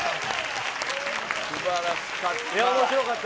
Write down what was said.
すばらしかった。